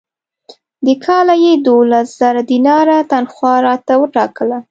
د کاله یې دوولس زره دیناره تنخوا راته وټاکله.